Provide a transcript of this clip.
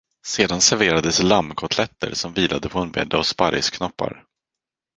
Sedan serverades lammkotletter, som vilade på en bädd av sparrisknoppar.